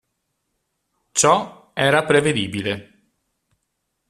Ciò era prevedibile.